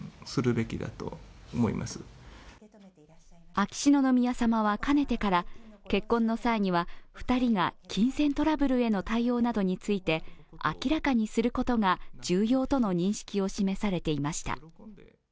秋篠宮さまはかねてから結婚の際には２人が金銭トラブルへの対応などについて明らかにすることが重要との認識を示されていました。